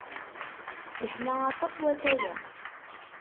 Yeḥma aṭas watay-a.